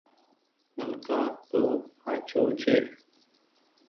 نلڪآ تو آڇو ڇي ۔